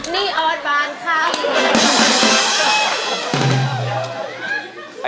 นิออนบางค่ำ